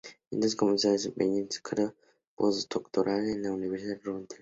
Entonces comenzó a desempeñarse en un cargo postdoctoral en la Universidad Rutgers.